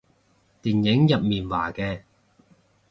電影入面話嘅